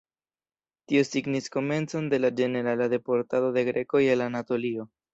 Tio signis komencon de la ĝenerala deportado de grekoj el Anatolio.